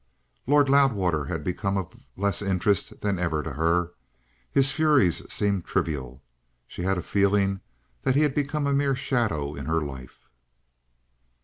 Lord Loudwater had become of less interest than ever to her; his furies seemed trivial. She had a feeling that he had become a mere shadow in her life.